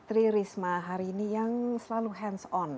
tririsma hari ini yang selalu hands on